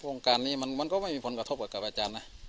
โครงการนี้มันก็ไม่มีผลกระทบกับอาจารย์นะ